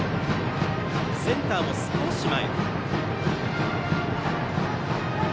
センターも少し前。